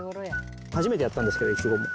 初めてやったんですけど、いちごも。